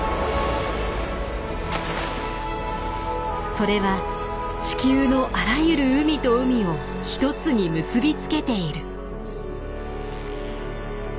それは地球のあらゆる海と海を一つに結び付けている。